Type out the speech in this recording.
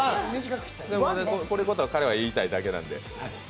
これを彼は言いたいだけなんで。